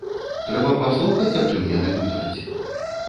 Трэба паслухаць, аб чым яны гутараць?